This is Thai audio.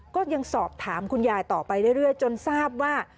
ก็ยังสอบถามคุณยายต่อไปเรื่อยจนทราบว่า